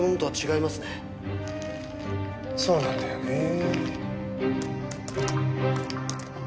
そうなんだよねぇ。